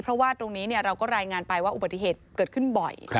เพราะว่าตรงนี้เราก็รายงานไปว่าอุบัติเหตุเกิดขึ้นบ่อย